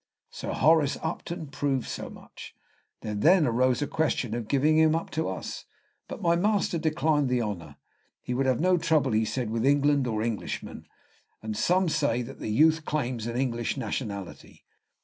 Sir Horace Upton proved so much. There then arose a question of giving him up to us; but my master declined the honor, he would have no trouble, he said, with England or Englishmen; and some say that the youth claims an English nationality.